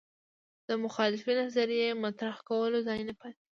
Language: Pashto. د مخالفې نظریې مطرح کولو ځای نه پاتې